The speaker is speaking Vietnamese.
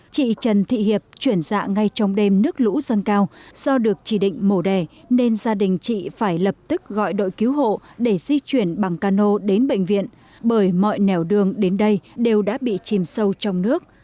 chị trần thị hiệp chuyển dạ ngay trong đêm nước lũ dâng cao do được chỉ định mổ đẻ nên gia đình chị phải lập tức gọi đội cứu hộ để di chuyển bằng cano đến bệnh viện bởi mọi nẻo đường đến đây đều đã bị chìm sâu trong nước